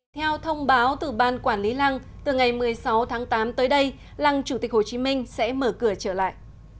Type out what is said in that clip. theo thông báo từ ban quản lý lăng từ ngày một mươi sáu tháng tám tới đây lăng chủ tịch hồ chí minh sẽ mở cửa trở lại